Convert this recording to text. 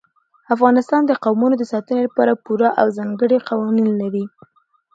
افغانستان د قومونه د ساتنې لپاره پوره او ځانګړي قوانین لري.